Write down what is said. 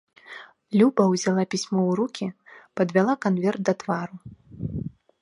Люба ўзяла пісьмо ў рукі, падвяла канверт да твару.